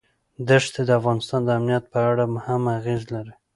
دښتې د افغانستان د امنیت په اړه هم اغېز لري.